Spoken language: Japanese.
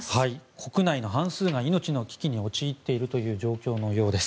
国内の半数が命の危機に陥っているという状況のようです。